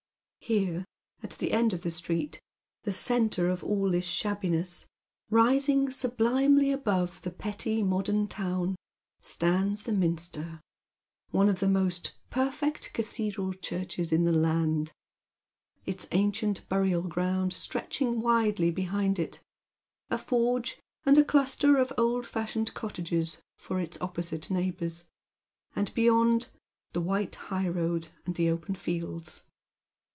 Here, at the end of the street, the centre of all this shabbiness, rising sublimely above the petty modem town, stands the minster — one of the most perfect cathe dral churches in the land, — its ancient burial ground stretching widely behind it, a forge »nd a cluster of old fashioned cottages for its opposite neighbours, and beyond the white high road and the open fields.